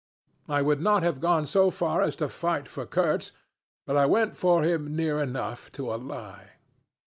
I would not have gone so far as to fight for Kurtz, but I went for him near enough to a lie.